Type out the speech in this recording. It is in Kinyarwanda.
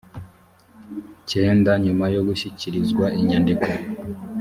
cyenda nyuma yo gushyikirizwa inyandiko